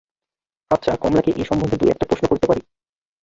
আচ্ছা, কমলাকে এ সম্বন্ধে দুই-একটা প্রশ্ন করিতে পারি?